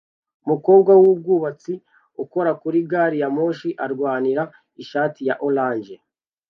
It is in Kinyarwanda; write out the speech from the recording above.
umukozi wubwubatsi ukora kuri gari ya moshi arwanira ishati ya orange